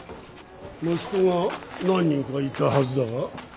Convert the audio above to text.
息子は何人かいたはずだが。